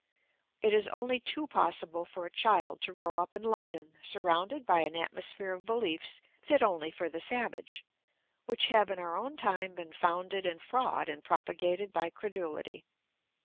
It is only too possible for a child to grow up in London surrounded by an atmosphere of behefs fit only for the savage, which have in our own time been founded in fraud and propagated by credulity.